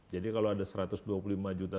jadi kalau ada satu ratus dua puluh lima juta